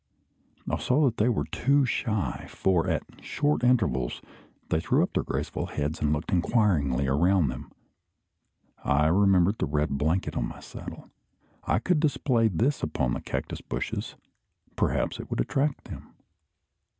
I saw that they were too shy; for, at short intervals, they threw up their graceful heads and looked inquiringly around them. I remembered the red blanket on my saddle. I could display this upon the cactus bushes; perhaps it would attract them.